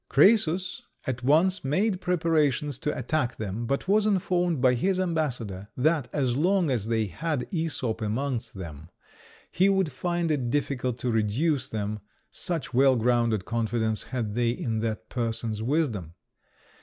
Crœsus at once made preparations to attack them, but was informed by his ambassador that, as long as they had Æsop amongst them, he would find it difficult to reduce them, such well grounded confidence had they in that person's wisdom.